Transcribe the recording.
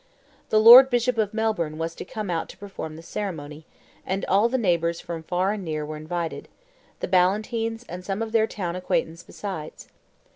The Lord Bishop of Melbourne was to come out to perform the ceremony, and all the neighbours from far and near were invited; the Ballantynes and some of their town acquaintance besides.